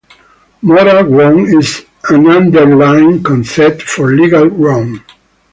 Moral wrong is an underlying concept for legal wrong.